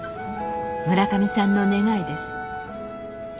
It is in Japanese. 村上さんの願いです。